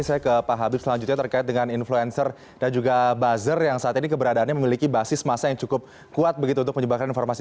saya ke pak habib selanjutnya terkait dengan influencer dan juga buzzer yang saat ini keberadaannya memiliki basis masa yang cukup kuat begitu untuk menyebarkan informasi